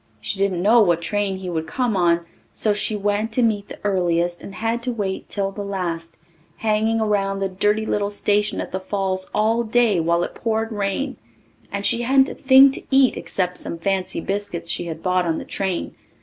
She didn't know what train he would come on so she went to meet the earliest and had to wait till the last, hanging around the dirty little station at the Falls all day while it poured rain, and she hadn't a thing to eat except some fancy biscuits she had bought on the train.